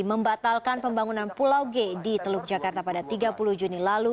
membatalkan pembangunan pulau g di teluk jakarta pada tiga puluh juni lalu